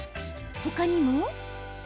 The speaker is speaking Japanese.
他にも。